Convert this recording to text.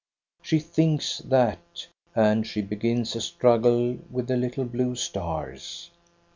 She thinks that, and she begins a struggle with the little blue stars.